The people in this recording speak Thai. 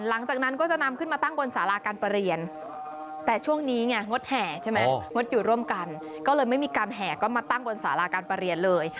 หลังจากนั้นก็จะนำขึ้นมาตั้งบนสาราการประเรียนแต่ช่วงนี้ไงงดแห่ใช่ไหมงดอยู่ร่วมกันก็เลยไม่มีการแห่ก็มาตั้งบนสาราการประเรียนเลย